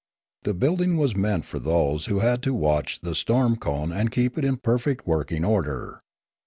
The building was meant for those who had to watch the storm cone and keep it in perfect working order.